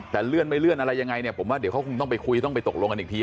แต่เลื่อนไม่เลื่อนอะไรยังไงเนี่ยผมว่าเดี๋ยวเขาคงต้องไปคุยต้องไปตกลงกันอีกที